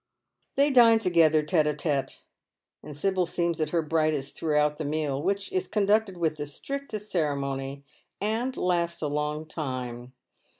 They dine together tete d tete, and Sibyl seems at her brightest throughout the meal, which is conducted with the strictest ceremony, and lasts a long time.